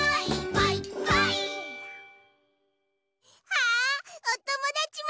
あっおともだちも。